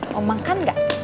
mau makan gak